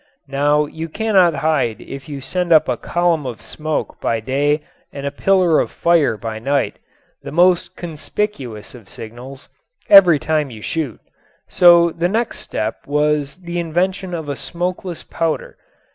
Now you cannot hide if you send up a column of smoke by day and a pillar of fire by night the most conspicuous of signals every time you shoot. So the next step was the invention of a smokeless powder.